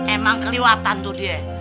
emang keliwatan tuh dia